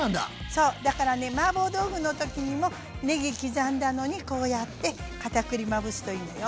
そうだからねマーボー豆腐の時にもねぎ刻んだのにこうやって片栗まぶすといいのよ。